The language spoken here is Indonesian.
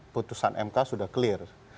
putusan mk sudah clear